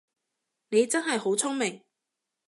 你真係好聰明